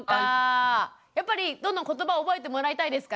やっぱりどんどんことば覚えてもらいたいですか？